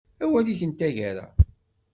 Awal-ik n taggara.